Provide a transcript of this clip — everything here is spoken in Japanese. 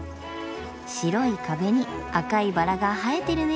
白い壁に赤いバラが映えてるねぇ。